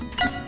lấy thay chứng